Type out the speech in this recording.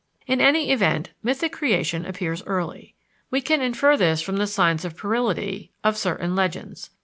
In any event, mythic creation appears early. We can infer this from the signs of puerility of certain legends.